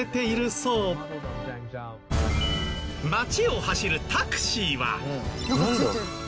街を走るタクシーは。